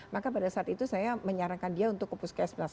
maka pada saat itu saya menyarankan dia untuk ke puskesmas